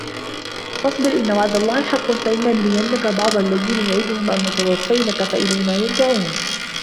فَاصبِر إِنَّ وَعدَ اللَّهِ حَقٌّ فَإِمّا نُرِيَنَّكَ بَعضَ الَّذي نَعِدُهُم أَو نَتَوَفَّيَنَّكَ فَإِلَينا يُرجَعونَ